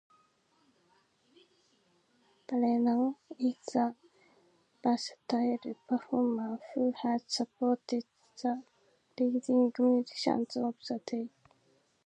Brennan is a versatile performer who has supported the leading musicians of the day.